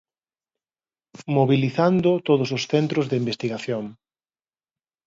Mobilizando todos os centros de investigación.